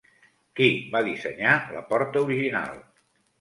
Qui va dissenyar la portada original?